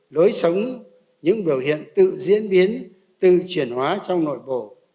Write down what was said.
lối sống những biểu hiện tự diễn biến tự chuyển hóa trong nội bộ